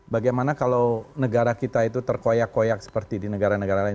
bagaimana kalau negara kita itu terkoyak koyak seperti di negara negara lain